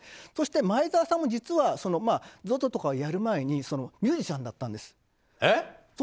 そして、前澤さんも実はＺＯＺＯとかをやる前にミュージシャンだったんです。